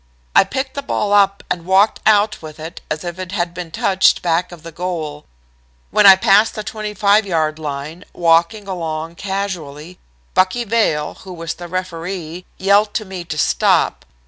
I picked the ball up and walked out with it as if it had been touched back of the goal. When I passed the 25 yard line, walking along casually, Bucky Vail, who was the referee, yelled to me to stop.